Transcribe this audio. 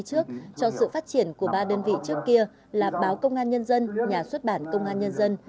trước cho sự phát triển của ba đơn vị trước kia là báo công an nhân dân nhà xuất bản công an nhân dân